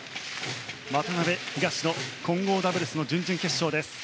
渡辺、東野混合ダブルスの準々決勝です。